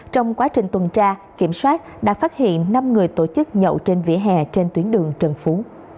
trong quá trình tuần tra kiểm soát đã phát hiện năm người tổ chức nhậu trên vỉa hè trên tuyến đường trần phú